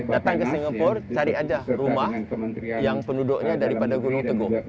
datang ke singapura cari aja rumah yang penduduknya daripada gunung teguh